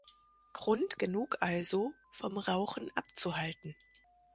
Grund genug also, vom Rauchen abzuhalten.